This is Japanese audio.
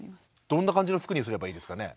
どんな感じの服にすればいいですかね？